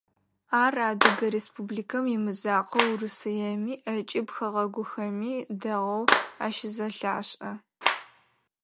Ар Адыгэ Республикэм имызакъоу Урысыеми, ӏэкӏыб хэгъэгухэми дэгъоу ащызэлъашӏэ.